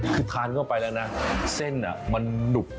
คือทานเข้าไปแล้วนะเส้นมันหนุบ